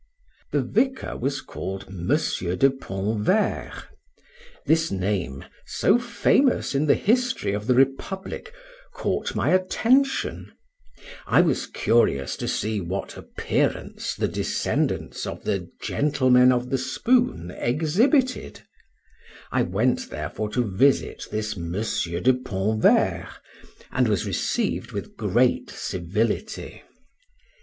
The vicar was called M. de Pontverre; this name, so famous in the history of the Republic, caught my attention; I was curious to see what appearance the descendants of the gentlemen of the spoon exhibited; I went, therefore, to visit this M. de Pontverre, and was received with great civility.